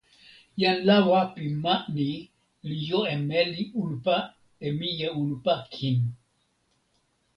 jan lawa pi ma ni li jo e meli unpa e mije unpa kin.